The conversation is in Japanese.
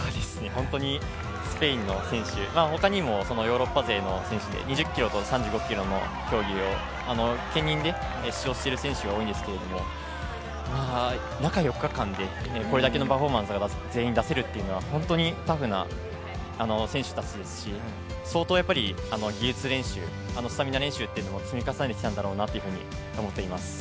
スペインの選手、他にもヨーロッパ勢の選手で２０ｋｍと３５ｋｍのレースを兼任で出場している選手多いんですけれども、中４日間でこれだけのパフォーマンスが全員出せるというのは本当にタフな選手たちですし相当、技術練習、スタミナ練習を積み重ねてきたんだろうなと思っています。